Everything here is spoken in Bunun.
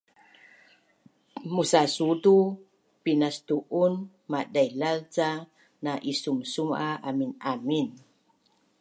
Musasutu pinastu’un madailaz ca na isumsum a aminamin